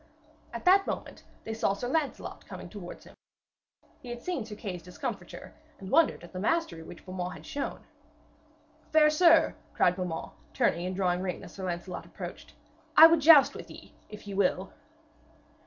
At that moment they saw Sir Lancelot coming towards him. He had seen Sir Kay's discomfiture, and wondered at the mastery which Beaumains had shown. 'Fair sir,' cried Beaumains, turning and drawing rein as Sir Lancelot approached, 'I would joust with you, if ye will.'